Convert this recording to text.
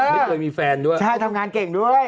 ไม่เคยมีแฟนด้วยใช่ทำงานเก่งด้วย